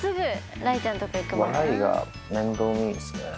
雷が面倒見いいですね。